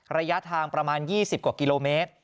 ระยะทางประมาณ๒๐กว่ากิโลเมตร